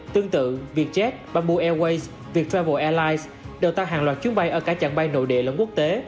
tương tự vietjet bamboo airways viettravel airlines đều tăng hàng loạt chuyến bay ở cả chặng bay nội địa lẫn quốc tế